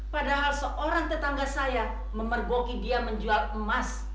padahal seorang tetangga saya memergoki dia menjual emas